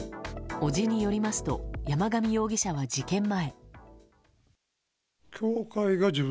伯父によりますと山上容疑者は事件前。